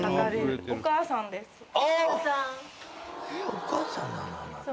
お母さんなのあなた。